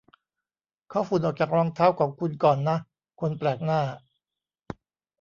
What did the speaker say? เคาะฝุ่นออกจากรองเท้าของคุณก่อนนะ คนแปลกหน้า